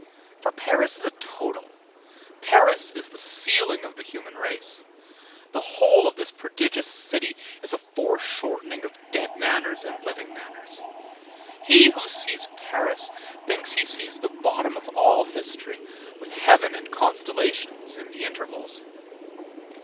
For Paris is a total. Paris is the ceiling of the human race. The whole of this prodigious city is a foreshortening of dead manners and living manners. He who sees Paris thinks he sees the bottom of all history with heaven and constellations in the intervals.